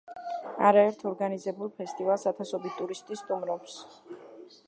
არაერთ ორგანიზებულ ფესტივალს ათასობით ტურისტი სტუმრობს.